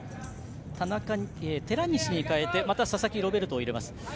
寺西に代えて佐々木ロベルトを入れます。